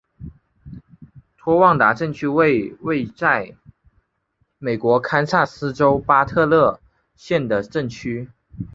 托旺达镇区为位在美国堪萨斯州巴特勒县的镇区。